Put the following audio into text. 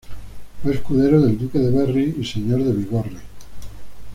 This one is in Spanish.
Fue escudero del Duque de Berry y señor de Bigorre.